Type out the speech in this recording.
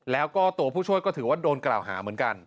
แล้วก็ตัวผู้ช่วยก็ถือว่าโดนกล่าวหาเหมือนกัน